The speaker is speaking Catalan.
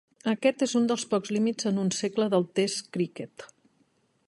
Aquest és un dels pocs límits en un segle de test cricket.